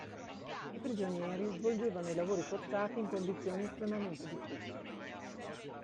I prigionieri svolgevano i lavori forzati in condizioni estremamente difficili.